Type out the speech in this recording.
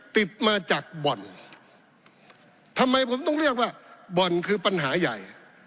ติดมาจากบ่อนทำไมผมต้องเรียกว่าบ่อนคือปัญหาใหญ่